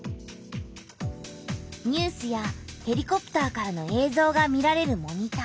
ニュースやヘリコプターからのえいぞうが見られるモニター。